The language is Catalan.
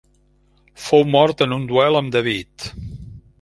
Fou mort en un duel amb David.